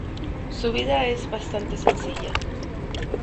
Su vida es bastante sencilla.